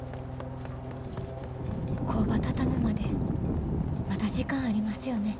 工場畳むまでまだ時間ありますよね？